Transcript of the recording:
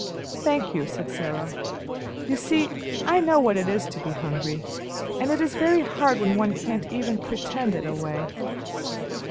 "Thank you," said Sara; "you see I know what it is to be hungry, and it is very hard when one can't even pretend it away."